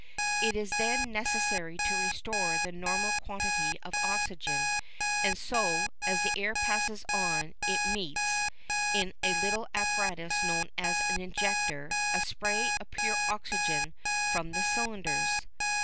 It is then necessary to restore the normal quantity of oxygen, and so, as the air passes on, it meets, in a little apparatus known as an injector, a spray of pure oxygen from the cylinders.